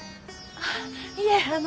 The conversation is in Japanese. あっいえあの。